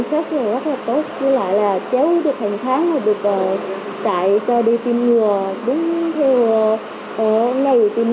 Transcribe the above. sắp xếp rất là kỹ lưỡng